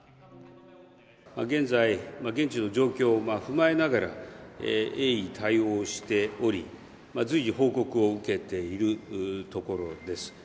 現在、現地の状況を踏まえながら、鋭意対応しており、随時、報告を受けているところです。